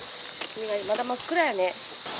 まだ真っ暗やね。